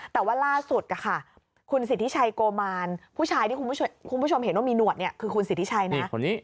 แต่ว่าล่าสุดคุณสิทธิชัยโกมารผู้ชายที่คุณผู้ชมเห็นว่ามีหนวดเนี่ยคือคุณสิทธิชัยนะ